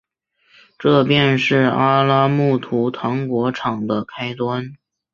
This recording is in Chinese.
这便是阿拉木图糖果厂的开端。